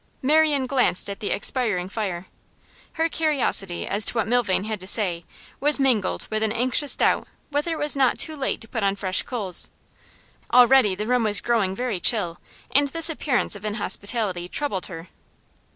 Marian glanced at the expiring fire. Her curiosity as to what Milvain had to say was mingled with an anxious doubt whether it was not too late to put on fresh coals; already the room was growing very chill, and this appearance of inhospitality troubled her.